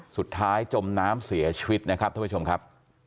จมน้ำเสียชีวิตนะครับท่านผู้ชมครับ